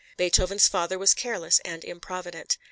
Beethoven's father was careless and improvident.